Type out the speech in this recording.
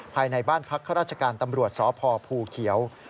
ภายในบ้านพักข้าราชการตำรวจสพภูเขียว